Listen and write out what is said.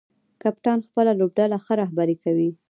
کپتان خپله لوبډله ښه رهبري کوي.